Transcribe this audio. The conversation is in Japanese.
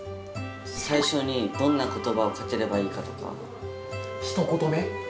最初にどんなことばをかければいいかとか。ひと言目？